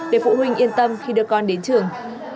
để phụ huynh yên tâm khi đưa con đến trường